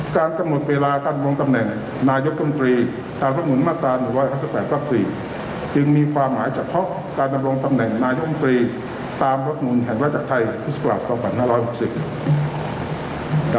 การกระหมดเวลาการลงตำแหน่งนายกลุ่มตรีตามรวมรวมมาตรา๑๕๘ภักษีจึงมีความหมายเฉพาะการลำรวมตำแหน่งนายกลุ่มตรีตามรวมรวมแห่งรัฐกาศไทยครุฑศาสตรา๒๕๖๐